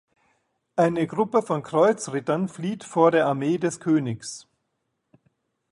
Eine Gruppe von Kreuzrittern flieht vor der Armee des Königs.